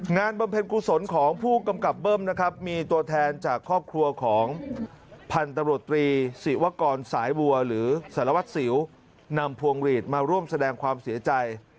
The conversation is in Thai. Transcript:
บำเพ็ญกุศลของผู้กำกับเบิ้มนะครับมีตัวแทนจากครอบครัวของพันธุ์ตำรวจตรีศิวกรสายบัวหรือสารวัตรสิวนำพวงหลีดมาร่วมแสดงความเสียใจ